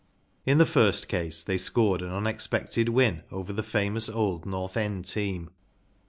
In the first case they scored an unexpected win over the famous old North End team.